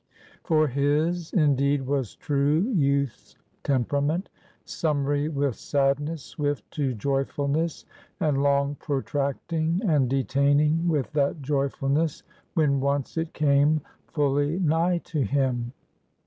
For his, indeed, was true Youth's temperament, summary with sadness, swift to joyfulness, and long protracting, and detaining with that joyfulness, when once it came fully nigh to him.